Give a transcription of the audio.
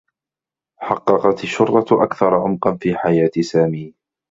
حقّقت الشّرطة أكثر عمقا في حياة سامي.